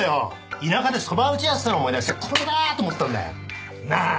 田舎でそば打ちやってたの思い出して「これだー！」と思ったんだよなぁ